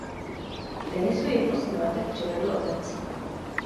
K tenisu ji v osmi letech přivedl otec.